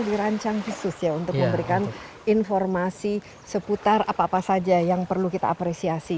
dirancang khusus ya untuk memberikan informasi seputar apa apa saja yang perlu kita apresiasi